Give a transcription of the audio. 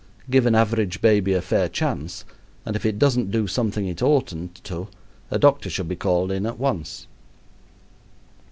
Give an average baby a fair chance, and if it doesn't do something it oughtn't to a doctor should be called in at once.